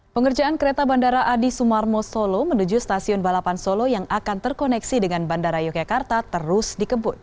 pengerjaan kereta bandara adi sumarmo solo menuju stasiun balapan solo yang akan terkoneksi dengan bandara yogyakarta terus dikebut